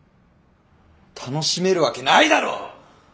楽しめるわけないだろ！